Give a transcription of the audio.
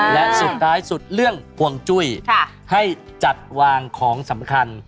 และสุดท้ายสุดเรื่องห่วงจุ้ยให้จัดวางของสำคัญ